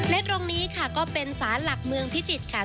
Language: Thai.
และตรงนี้ค่ะก็เป็นสารหลักเมืองพิจิตรค่ะ